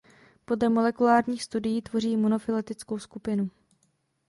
Podle molekulárních studií tvoří monofyletickou skupinu.